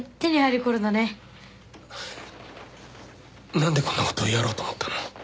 なんでこんな事をやろうと思ったの？